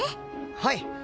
はい。